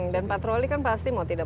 dan patroli kan pasti mau tidak